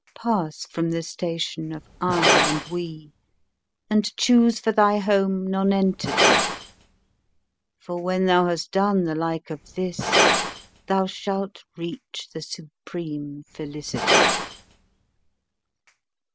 Pass from the station of "I" and "We," and choose for thy home Nonentity, For when thou has done the like of this, thou shalt reach the supreme Felicity.